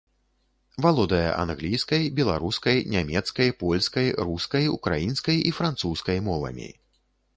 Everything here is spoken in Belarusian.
Валодае англійскай, беларускай, нямецкай, польскай, рускай, украінскай і французскай мовамі.